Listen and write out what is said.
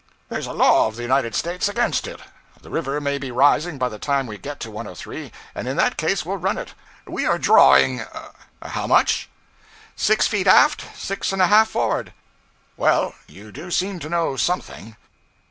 There's a law of the United States against it. The river may be rising by the time we get to 103, and in that case we'll run it. We are drawing how much?' 'Six feet aft, six and a half forward.' 'Well, you do seem to know something.'